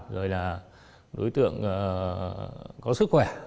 rồi là đối tượng có sức khỏe